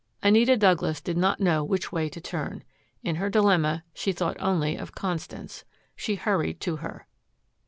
Anita Douglas did not know which way to turn. In her dilemma she thought only of Constance. She hurried to her.